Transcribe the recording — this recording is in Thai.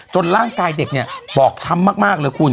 ร่างกายเด็กเนี่ยบอบช้ำมากเลยคุณ